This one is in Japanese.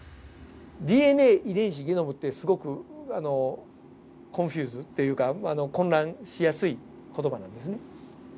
ＤＮＡ遺伝子ゲノムってすごくコンフューズっていうか混乱しやすい言葉なんですね。